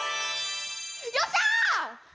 よっしゃあ！